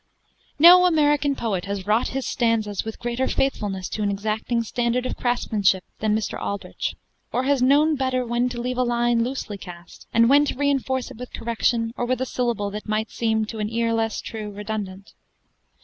No American poet has wrought his stanzas with greater faithfulness to an exacting standard of craftsmanship than Mr. Aldrich, or has known better when to leave a line loosely cast, and when to reinforce it with correction or with a syllable that might seem, to an ear less true, redundant.